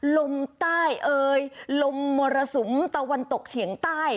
ลมใต้เอ่ยลมมรสุมตะวันตกเฉียงใต้